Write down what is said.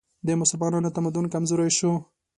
د مسلمانانو تمدن کمزوری شو